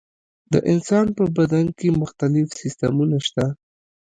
د انسان په بدن کې مختلف سیستمونه شته.